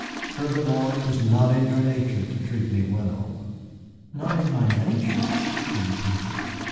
Furthermore, it was not in your nature to treat me well." "Not in my nature?" she repeated.